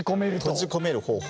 閉じ込める方法を。